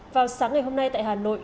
vào sáng ngày hôm nay tại hà nội